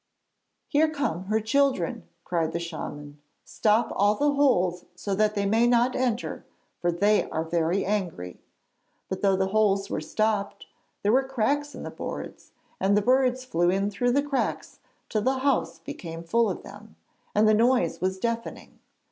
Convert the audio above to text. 'Here come her children,' cried the shaman. 'Stop all the holes so that they may not enter, for they are very angry.' But though the holes were stopped, there were cracks in the boards, and the birds flew in through the cracks till the house became full of them, and the noise was deafening.